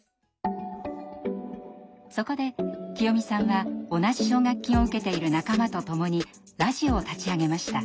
そこできよみさんは同じ奨学金を受けている仲間と共にラジオを立ち上げました。